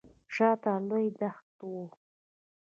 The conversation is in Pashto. شاته لوی دښت و.